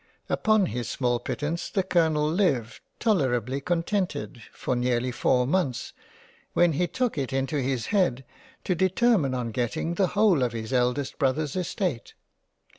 Upon his small pittance the Colonel lived tolerably contented for nearly four months when he took it into his head to determine on getting the whole of his eldest Brother's Estate.